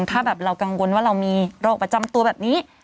ถ้าแบบเรากังวลว่าเรามีโรคประจำตัวแบบนี้